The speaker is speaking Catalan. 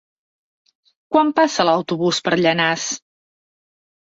Quan passa l'autobús per Llanars?